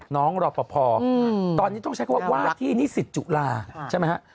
รอปภตอนนี้ต้องใช้คำว่าว่าที่นิสิตจุฬาใช่ไหมฮะ